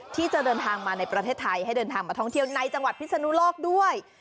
ที่จะเดินทางมาในประเทศไทยให้เดินทางมาท่องเที่ยวในจังหวัดพิศนุโลกด้วย